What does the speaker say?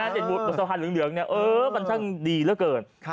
เจ็บบุสภาพเหลืองนะมันสร้างดีเหลือเกิน